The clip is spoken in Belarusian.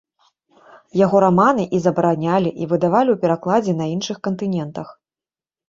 Яго раманы і забаранялі, і выдавалі ў перакладзе на іншых кантынентах.